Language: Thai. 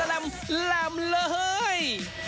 แหลมเลย